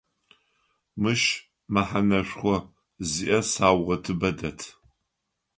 Мыщ мэхьанэшхо зиӏэ саугъэтыбэ дэт.